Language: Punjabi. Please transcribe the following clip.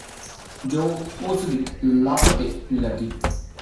ਜੋ ਉਸ ਦੀ ਲੱਤ ਤੇ ਲੱਗੀ